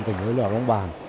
cùng với lời bóng bàn